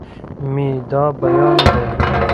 مې دا بيان دی